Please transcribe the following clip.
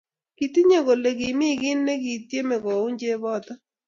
Kitinyo kole kimi kiy nekityeme kouny cheboto